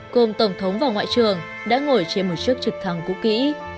cùng tổng thống và ngoại trưởng đã ngồi trên một chiếc trực thăng cũ kỹ